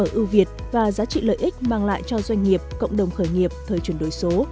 công nghệ ưu việt và giá trị lợi ích mang lại cho doanh nghiệp cộng đồng khởi nghiệp thời truyền đối số